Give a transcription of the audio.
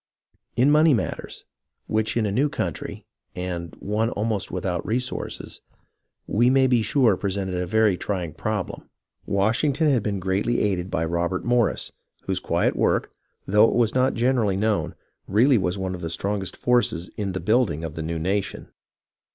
In money matters, which in a new country and one almost without resources we may be sure presented a very trying problem, Washington had been greatly aided by Robert Morris, whose quiet work, though it was not generally known, really was one of the strongest forces in the build ing of the new nation.